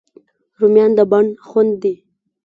رومیان د بڼ خوند دي